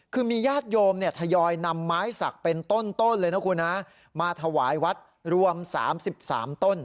คือมีญาติโยมเนี่ยทยอยนำไม้สักเป็นต้นต้นเลยนะครับคุณฮะมาถวายวัดรวมสามสิบสามต้น